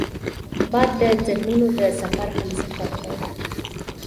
باد د ذهنونو د سفر همسفر دی